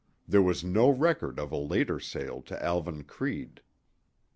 There was no record of a later sale to Alvan Creede.